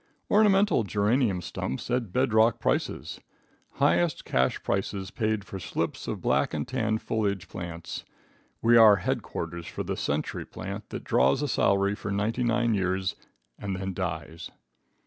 Ornamental geranium stumps at bed rock prices. Highest cash prices paid for slips of black and tan foliage plants. We are headquarters for the century plant that draws a salary for ninety nine years and then dies.